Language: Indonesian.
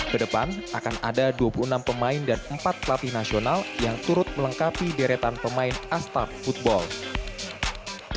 kedepan akan ada dua puluh enam pemain dan empat pelatih nasional yang turut melengkapi deretan pemain astart football